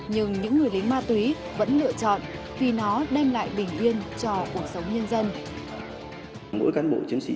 nhưng những người lính ma túy vẫn lựa chọn vì nó đem lại bình yên cho cuộc sống nhân dân